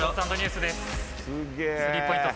スリーポイント